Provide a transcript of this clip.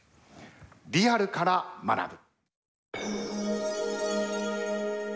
「リアルから学ぶ」。